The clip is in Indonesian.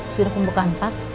sudah pembukaan empat